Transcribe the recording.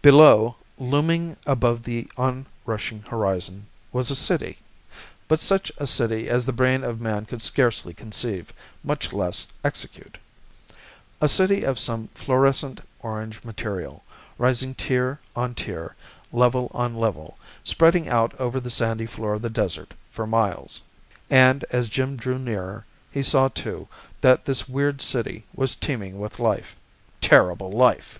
Below, looming above the on rushing horizon was a city! But such a city as the brain of man could scarcely conceive, much less execute a city of some fluorescent orange material, rising tier on tier, level on level, spreading out over the sandy floor of the desert for miles. And, as Jim draw nearer, he saw, too, that this weird city was teeming with life terrible life!